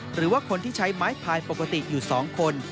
หรือว่าคนที่ใช้ไม้พายปกติอยู่๒คน